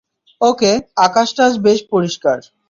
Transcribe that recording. ওকে, আকাশটা আজ বেশ পরিষ্কার।